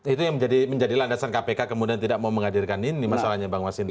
itu yang menjadi landasan kpk kemudian tidak mau menghadirkan ini masalahnya bang mas hinto